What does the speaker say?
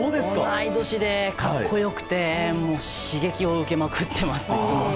同い年で格好良くて刺激を受けまくってます。